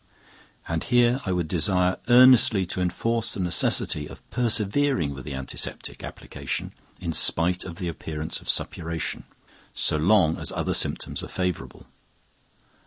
And here I would desire earnestly to enforce the necessity of persevering with the antiseptic application in spite of the appearance of suppuration, so long as other symptoms are favorable.